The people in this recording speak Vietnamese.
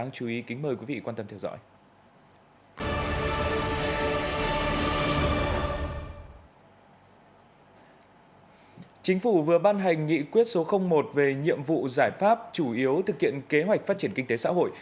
chính phủ vừa ban hành nghị quyết số một về nhiệm vụ giải pháp chủ yếu thực hiện kế hoạch phát triển kinh tế xã hội